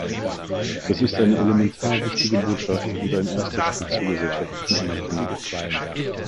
Das ist eine elementar wichtige Botschaft und ein erster Schritt zur gesellschaftlichen Anerkennung.